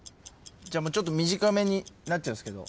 じゃあちょっと短めになっちゃうんですけど。